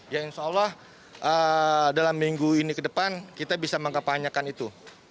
ya insya allah dalam minggu ini ke depan kita bisa mengkapanyekan itu